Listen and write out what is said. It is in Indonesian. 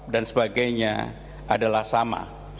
dan sebagainya adalah sama